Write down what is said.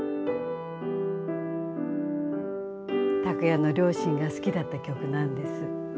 託也の両親が好きだった曲なんです。